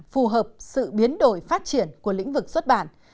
phù hợp sự biến đổi phát triển của lĩnh vực xuất bản